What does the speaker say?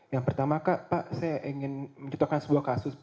yang pertama pak saya ingin menciptakan sebuah kasus